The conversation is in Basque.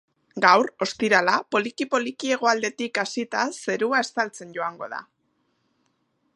Gaur, ostirala, poliki-poliki hegoaldetik hasita zerua estaltzen joango da.